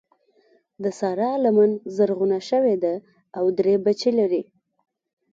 د سارا لمن زرغونه شوې ده او درې بچي لري.